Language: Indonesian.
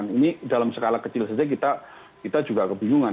ini dalam skala kecil saja kita juga kebingungan